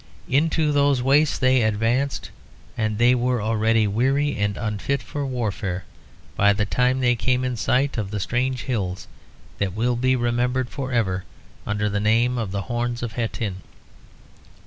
Into those wastes they advanced, and they were already weary and unfit for warfare by the time they came in sight of the strange hills that will be remembered for ever under the name of the Horns of Hattin.